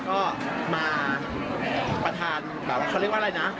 ก็มาประธานแบบเขาเรียกว่าอะไรนะ